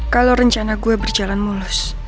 kalau rencana gue berjalan mulus